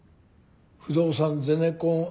不動産ゼネコンＩＴ。